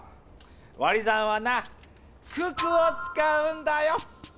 わり算はな九九をつかうんだよ！